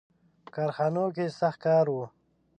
• په کارخانو کې سخت کار و.